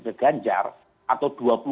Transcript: ke ganjar atau